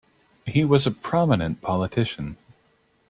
He was a prominent politician.